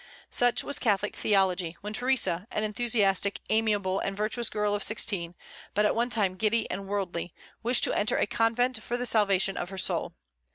Such was Catholic theology when Theresa an enthusiastic, amiable, and virtuous girl of sixteen, but at one time giddy and worldly wished to enter a convent for the salvation of her soul.